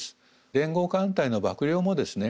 連合艦隊の幕僚もですね